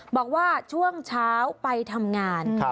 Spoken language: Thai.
บอกว่าช่วงเช้าไปทำงาน